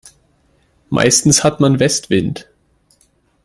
Meistens hat man Westwind.